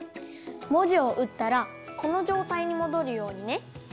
もじをうったらこのじょうたいにもどるようにね。